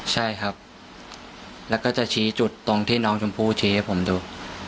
ใช่ครับแล้วก็จะชี้จุดตรงที่น้องชมพู่ชี้ให้ผมดู